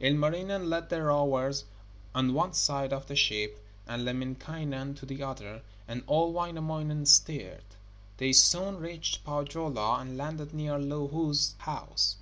Ilmarinen led the rowers on one side of the ship, and Lemminkainen on the other, and old Wainamoinen steered. They soon reached Pohjola and landed near Louhi's house.